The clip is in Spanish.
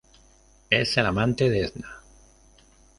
Es el amante de Edna.